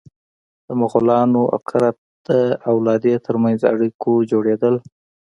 د مغولانو او کرت د اولادې تر منځ اړیکو جوړېدل.